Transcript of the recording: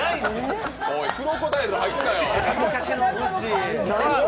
クロコダイル入ったよ。